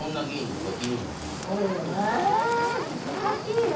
え難しいな。